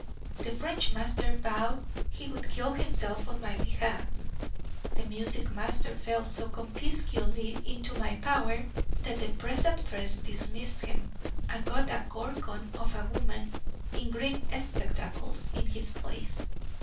The French master vowed he would kill himself on my behalf; the music master fell so conspicuously into my power that the preceptress dismissed him, and got a gorgon of a woman in green spectacles in his place.